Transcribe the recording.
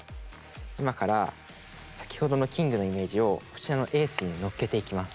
今から先ほどのキングのイメージをこちらのエースにのっけていきます。